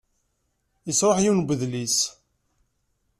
Yesṛuḥ yiwen n udlis.